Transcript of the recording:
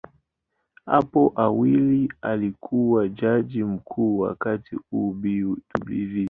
Hapo awali alikuwa Jaji Mkuu, wakati huo Bw.